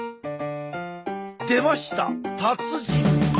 出ました達人！